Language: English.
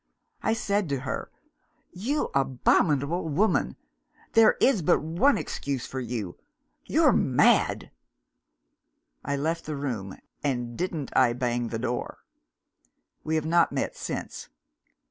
I said to her, 'You abominable woman, there is but one excuse for you you're mad!' I left the room and didn't I bang the door! We have not met since.